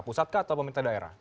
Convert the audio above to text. pusat atau pemerintah daerah